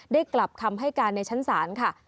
กลับคำให้การในชั้นศาลค่ะ